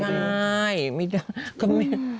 ใช่ไม่ได้